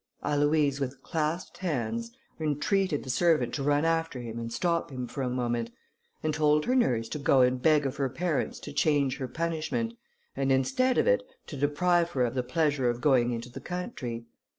Aloïse with clasped hands, entreated the servant to run after him and stop him for a moment, and told her nurse to go and beg of her parents to change her punishment, and instead of it to deprive her of the pleasure of going into the country.